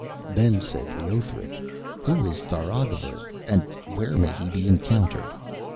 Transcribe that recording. Then said Leothric: 'Who is Tharagavverug, and where may he be encountered?'